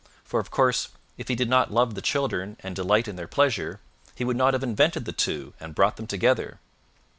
For, of course, if he did not love the children and delight in their pleasure, he would not have invented the two and brought them together.